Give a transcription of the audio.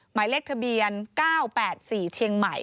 หมายเลขทะเบียน๙๘๔เชียงใหม่